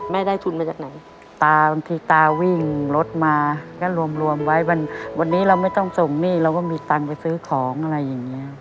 ได้ทุนมาจากไหนตาบางทีตาวิ่งรถมาก็รวมรวมไว้วันวันนี้เราไม่ต้องส่งหนี้เราก็มีตังค์ไปซื้อของอะไรอย่างเงี้ย